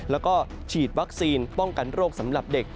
แล้วก็ฉีดวัคซีนป้องกันโรคสำหรับเด็ก